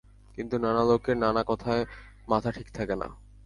কিন্তু নানা লোকের নানা কথায় মাথা ঠিক থাকে না।